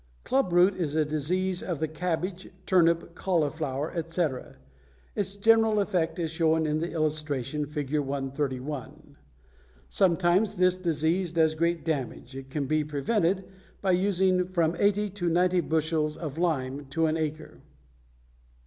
= Club root is a disease of the cabbage, turnip, cauliflower, etc. Its general effect is shown in the illustration (Fig. 131). Sometimes this disease does great damage. It can be prevented by using from eighty to ninety bushels of lime to an acre.